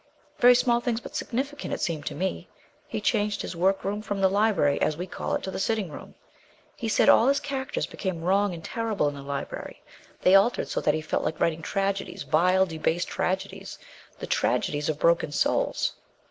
"Very small things, but significant it seemed to me. He changed his workroom from the library, as we call it, to the sitting room. He said all his characters became wrong and terrible in the library; they altered, so that he felt like writing tragedies vile, debased tragedies, the tragedies of broken souls.